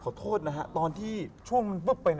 ขอโทษนะฮะตอนที่ช่วงมันปุ๊บไป